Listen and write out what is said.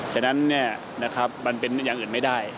ฉะนั้นเนี่ยนะครับมันเป็นอย่างอื่นไม่ได้